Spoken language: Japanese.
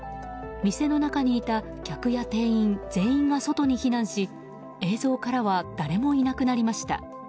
店の中にいた客や店員全員が外に避難し映像からは誰もいなくなりました。